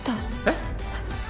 えっ？